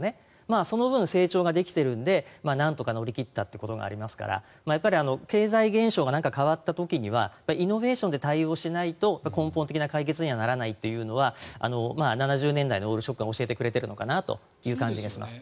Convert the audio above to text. その分、成長ができているのでなんとか乗り切ったというところがありますからやっぱり経済現象が何か変わった時にはイノベーションで対応しないと根本的な解決にはならないというのは７０年代のオイルショックが教えてくれてるのかなという感じがします。